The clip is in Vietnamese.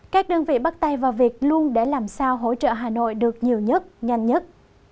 các đơn vị bắt tay vào việc luôn để làm sao hỗ trợ hà nội được nhiều nhất nhanh nhất